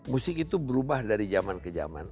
musik itu berubah dari zaman ke zaman